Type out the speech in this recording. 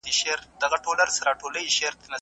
حقایقو ته غاړه کېږدئ.